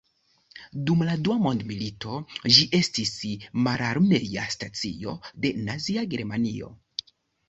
Dum la Dua Mondmilito ĝi estis mararmea stacio de Nazia Germanio.